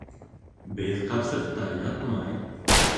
Беҙ ҡапсыҡта ятмай